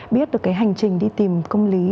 biết được hành trình đi tìm công lý